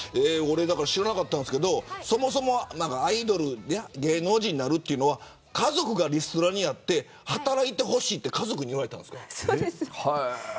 知らなかったんですけどそもそもアイドル芸能人になるというのは家族がリストラにあって働いてほしいと言われたんですか。